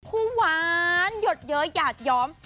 หวานหยดเยอะหยาดย้อม